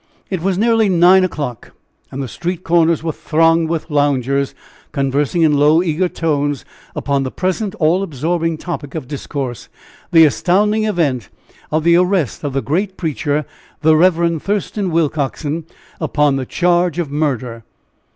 It was nearly nine o'clock, and the street corners were thronged with loungers conversing in low, eager tones upon the present all absorbing topic of discourse the astounding event of the arrest of the great preacher, the Rev. Thurston Willcoxen, upon the charge of murder.